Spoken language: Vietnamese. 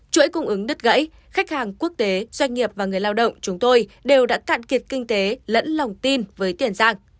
chuỗi cung ứng đứt gãy khách hàng quốc tế doanh nghiệp và người lao động chúng tôi đều đã cạn kiệt kinh tế lẫn lòng tin với tiền giang